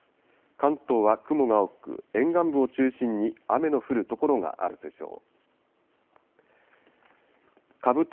関東は雲が多く、沿岸部を中心に雨の降る所があるでしょう。